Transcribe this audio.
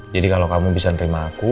jadi kalau kamu bisa nerima aku